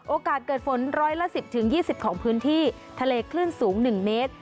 โอกาสเกิดฝนร้อยละ๑๐๒๐ของพื้นที่ทะเลคลื่นสูง๑เมตร